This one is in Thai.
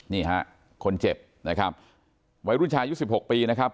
นี่ฮะคนเจ็บนะครับวัยรุ่นชายุ๑๖ปีนะครับ